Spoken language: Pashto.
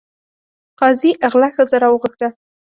قاضي غله ښځه راوغوښته.